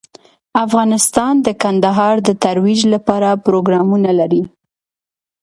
افغانستان د کندهار د ترویج لپاره پروګرامونه لري.